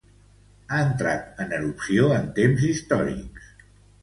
Ha entrat en erupció en temps històrics.